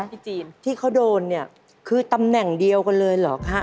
ที่จีนที่เขาโดนเนี่ยคือตำแหน่งเดียวกันเลยเหรอคะ